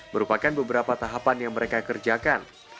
merupakan beberapa tahapan yang mereka kerjakan